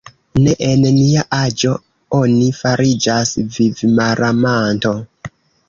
Ne en nia aĝo oni fariĝas vivmalamanto.